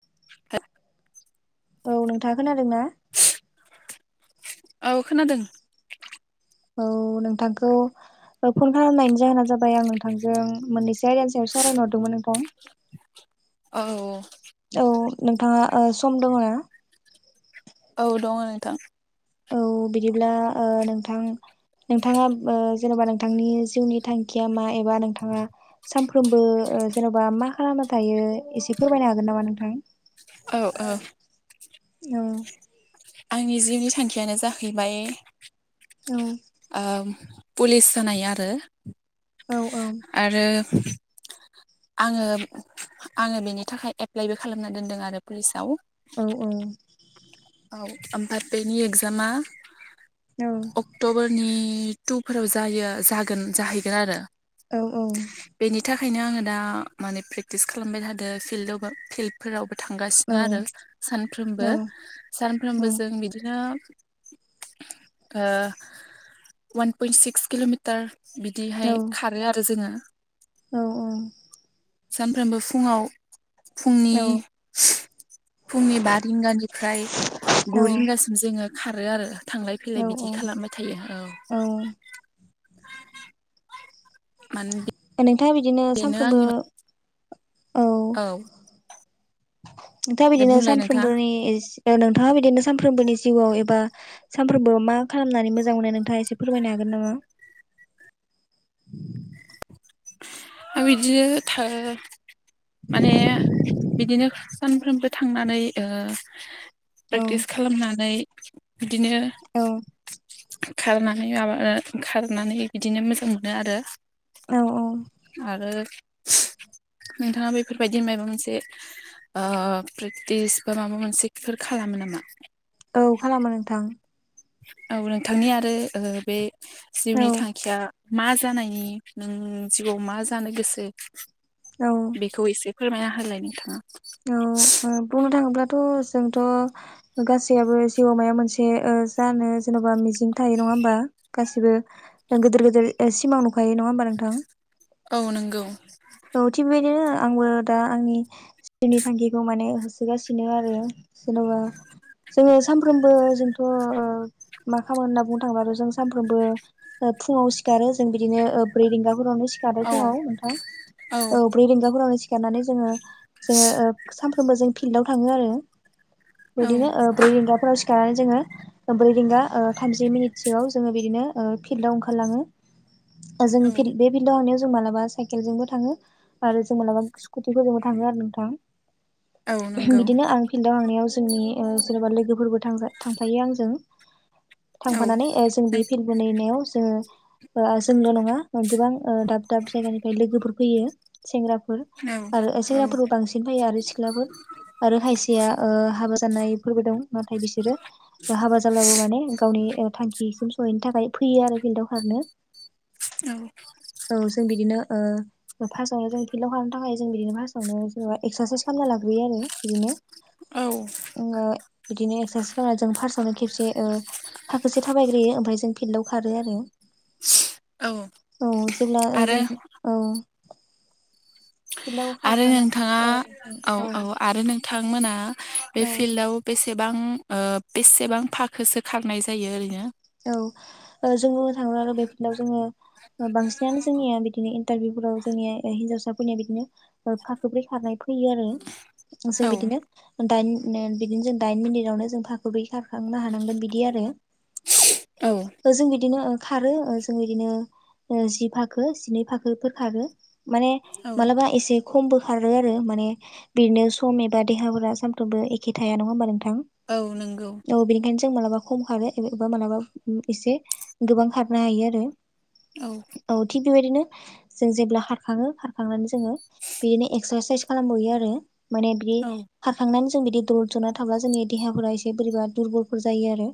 [unintelligible] औ नोंथा खोनादों ना? औ खोनादों। औ नोंथांखौ फन खालामनायनि जाहोना जाबाय आं नोंथांजों मोननैसो अयदानि सायाव। सावरायनो हरदोंमोन नोंथां। औ। औ नोंथाङा ओ सम दङ' ना? औ दङ नोंथां। औ बिदिब्ला ओ नोंथां। नोंथाङा ओ जेनेबा नोंथांनि जिउनि थांखिया मा? एबा नोंथाङा सानफ्रोमबो ओ जेनबा मा खालामना थायो एसे फोरमायनो हागोन नामा नोंथां? औ-औ। औ। आंनि जिउनि थांखियानो जाहैबाय औ ओ। पुलिस जानाय आरो। औ-औ। [unintelligible] आङो-आङो बेनि थाखाय एप्लाइबो खालामना दोनदों आरो पुलिसआव। औ-औ। औ ओमफ्राय बेनि एकजामा अक्ट'बरनि। नि टुफोराव जायो जागोन जाहैगोन आरो। औ-औ। बेनि थाखायनो आङो दा माने प्रेकटिस खालामबाय थादों फिल्डआवबो फिल्डफोरावबो थांगासिनो आरो औ सानफ्रोमबो, सानफ्रोमबो जों बिदिनो ओ वान पुइन्ट सिक्स किल'मिटार औ बिदिहाय खारो आरो जोङो औ औ सानफ्रोमबो फुङाव फुंनि फुंनि बा रिंगानिफ्राय गु रिंगासिम जोङो खारो आरो थांलाय फैलाय औ बिदि खालामबाय थायो औ [unintelligible] ओमफ्राय बिदिनो बेनो सानफ्रोमबो आंनि औ दा दे बिदिनो बुंलाय नोंथाङा सानफ्रोमबोनि इस नोंथाङा बिदिनो सानफ्रोमबोनि जिउआव एबा सानफ्रोमबो मा खालामनानै मोजां मोननाय नोंथाङा एसे फोरमायनो हागोन? ना [unintelligible] बिदिनो था माने बिदिनो सानफ्रोमबो थांनानै ओ औ प्रेकटिस खालामनानै बिदिनो औ खारनानै माबा ओ खारनानै बिदिनो मोजां मोनो आरो औ औ आरो नोंथाङा बेफोरबायदि मायबा मोनसे ओ प्रेक्टिस बा माबा मोनसेफोर खालामो मो नामा? औ खालामो नोंथां औ नोंथांनि आरो ओ बे औ जिउनि थांखिया मा जानायनि नों जिउआव मा जानो गोसो औ बेखौ एसे फोरमायना होलाय नोंथाङा। औ ओ बुंनो थाङोब्ला थ' जोंथ' गासैयाबो जिउआव माया मोनसे ओ जानो जेन'बा मिजिं थायो नङा नङा होमबा गासिबो गोदोर गोदोर ओ सिमां नुखायो नङा होमबा नोंथां? औ नंगौ औ थिग बेदिनो आंबो दा आंनि नि थांखिखौ माने होसोगासिनो आरो जेन'बा जोङो सानफ्रोमबो जों थ' मा खामगोन होनना बुंनो थाङोबाथ' जों सानफ्रोमबो ओ फुङाव सिखारो जों बिदिनो ओ ब्रै रिंगाफोरावनो सिखारो औ फुङाव नोंथां। औ ब्रै रिंगाफोरावनो सिखारनानै जोङो जोङो ओ सानफ्रोमबो जों फिल्डाव थाङो आरो औ बिदिनो ओ ब्रै रिंगाफोराव सिखारनानै जोङो ब्रै रिंगा ओ थामजि मिनिटसोआव जोङो बिदिनो ओ फिल्डआव ओंखारलाङो। जों औ बे फिल्डाव हांनायाव जों मालाबा साइकेलजोंबो थाङो आरो जों मालाबा स्कुटिफोरजोंबो थाङो आरो औ नोंथां नंगौ बिदिनो आं फिल्डाव थांनायाव जोंनि ओ जेनेबा लोगोफोरबो थांजा थांफायो आंजों। औ थांफानानै ओ जों बे फिल्ड बनायनायाव जोङो ओ जोंल' नङा गोबां ओ दाब दाब जायगानिफाय लोगोफोर फैयो सेंग्रा औ [unintelligible] आरो सेंग्राफोरबो बांसिन फैयो आरो सिख्लाफोर आरो खायसेया ओ हाबा जानायफोरबो दं नाथाय बिसोरो हाबा जाब्लाबो माने गावनि थांखिसिम सहैनो थाखाय फैयो आरो फिल्डाव खारनो उम औ जों बिदिनो ओ फार्स्टआवहाय जों फिल्ड आव हाबनो थाखाय जों बिदिनो फार्स्टआवनो जेनेबा एक्सारसाइस खामना लाग्रोयो आरो बिदिनो औ ओ बिदिनो एक्सारसाइस खालामनानै जों फार्टआवावनो खेबसे ओ थाखोसे थाबायग्रोयो ओमफाय जों फिल्डाव खारो आरो [unintelligible] औ औ जेब्ला ओ जों औ फिल्डआव आरो नोंथाङा खारखांनानै औ औ औ आरो नोंथांमोना बे औ फिल्डआव बेसे सेबां ओ बेसेबां फाखोसो खारनाय जायो ओरैनो औ ओ जों बुंनो थाङो आरो बे [inaudible] जोङो बांसिनानो जोंनिया बि बिदिनो इन्टारभिउफोराव जोंनिया ओ हिन्जावसाफोरनिया बिदिनो फाखोब्रै खारनाय फैयो आरो जों औ बिदिनो दाइन बिदिनो जों दाइन मिनिटावनो जों फाखोब्रै खारखाङो नो हानांगोन बिदि आरो औ ओ जों बि दिनो ओ खारो ओ जों बिदिनो जि फाखो जिनै फाखोफोर खारो माने औ मालाबा एसे खम बो खारो आरो माने बिदिनो सम एबा देहाफोरा सामफ्रामबो एखे थाया नङा होमबा नों थां औ नंगौ औ बेनिखायनो जों मालाबा खम खारो एबा मालाबा उम एसे गोबां खारनो हायो आरो औ औ थिग बेबायदिनो जों जेब्ला खखरखाङो खारखांनानै जोङो बिदिनो एक्सारसाइस खालामबोयो आरो माने बि औ खारखांनान जों बिदि दलद जना थाब्ला जोंनि देहाफोरा एसे बोरैबा दुरबलफोर जायो आरो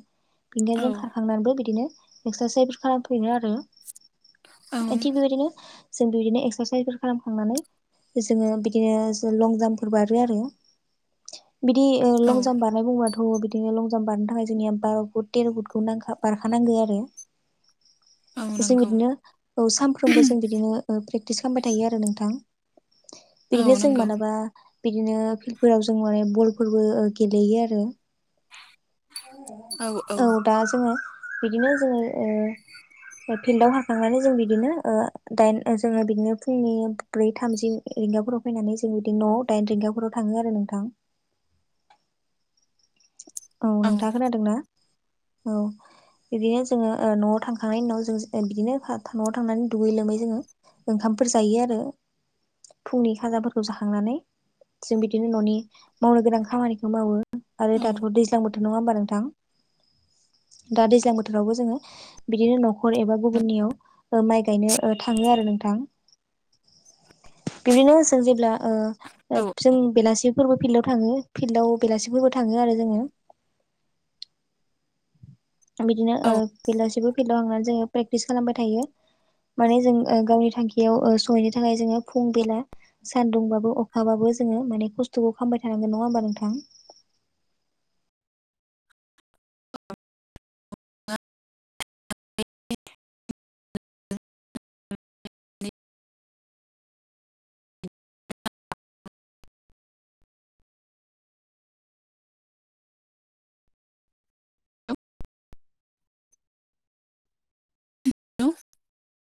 औ बेनिखायनो जों खारखांनानैबो बिदिनो एक्सारसाइस खालाम [inaudible] यो आरो औ ओ थिख बेबायदिनो जों बे बिदिनो एक्सारसाइसफोर खालामखांनानै जोङो बिदिनो लं जाम्पफोर बारो आरो बिदि ओ औ लं जाम्प बारनाय बुंबाथ' बिदिनो लं जाम्प बारनो थाखाय जोंनिया बार' फुट थेर' फुट खो नांखा बारखानांगौ आरो औ जों नंगौ बिदिनो ओ सानफ्रोमबो जों बिदिनो ओ प्रेक्टिस खामबाय थायो आरो नोंथां औ बिदिनोजों नंगौ मालाबा बिदिनो फिल्डफोराव जों माने बलफोरबो ओ गेलेयो आरो औ औ दा जोङो बिदिनो जोङो ओ ओ फिल्डआव हाखांनानै जों बिदिनो ओ‌ दाइन जोङो बिदिनो फुंनि ब्रै थामजि रिंगाफोराव फैनानै जों बिदिनो न'आवय दाइन रिंगाफोराव थाङो आरो नोंथां औ नोंथाङा खोनादोंना औ बिदिनो जोङो ओ न'आव थांखांनायनि उनाव जों ओ बिदिनो [unintelligible] न'आव थांनानै दुगै लोंबाय जोङो ओंखामफोर जायो आरो फुंनि खाजाफोरखौ जाखांनानै जों बिदिनो न'नि मावनो गोनां खामानिखौ मावो आरो दाथ' दैज्लां बोथोर नङा होमबा नोंथां दा दैज्लां बोथोरावबो जोङो बिदिनो नखर एबा गुबुननियाव ओ माइ गायनो ओ थाङो आरो नों थां बिदिनो जों जेब्ला ओ ओ औ जों बेलासिफोरबो फिल्डाव थाङो फिल्डआव बेलासिफोरबो थाङो आरो जोङो बिदिनो ओ औ बेलासेबो फिल्डआव हांनानै जोङो प्रेक्टिस खालामबाय थायो माने जों ओ गावनि थांखियाव ओ सहैनो थाखाय जोङो फुं बेला सान्दुंबाबो अखाबाबो जोङो माने खस्थ'खौ खामाबाय थानांगोन नङा होमबा नोंथां [inaudible] [inaudible] [inaudible] [unintelligible]